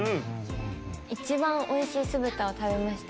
一番おいしい酢豚を食べました